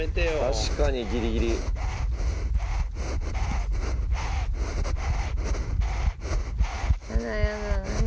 確かにギリギリやだやだ何？